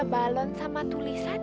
kok ada balon sama tulisannya